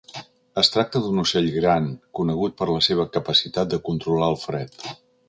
Es tracta d'un ocell gran, conegut per la seva capacitat de controlar el fred.